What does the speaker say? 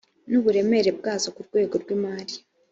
n uburemere bwazo ku rwego rw imari